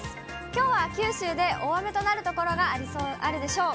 きょうは九州で大雨となる所があるでしょう。